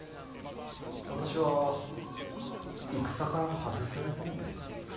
私は戦から外されたのですか。